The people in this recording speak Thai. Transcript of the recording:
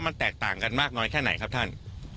มันแตกต่างกันมากคือกันใหนค่ะคุณท่าน